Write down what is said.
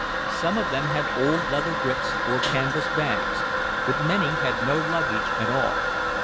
Some of them had old leather grips or canvas bags, but many had no luggage at all.